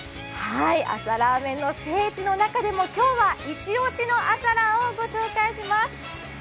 朝ラーメンの聖地の中でも今日は一押しの朝ラーを紹介します。